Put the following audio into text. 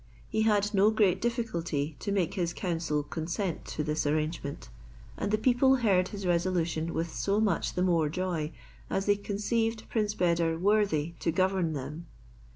He had no great difficulty to make his council consent to this arrangement: and the people heard his resolution with so much the more joy, as they conceived Prince Beder worthy to govern them.